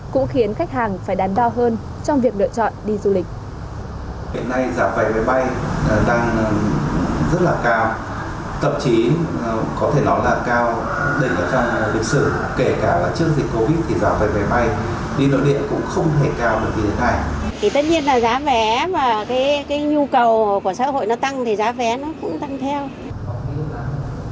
cũng khiến khách hàng phải đán đo hơn trong việc lựa chọn đi du lịch